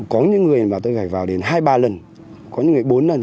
có những người mà tôi gạch vào đến hai ba lần có những người bốn lần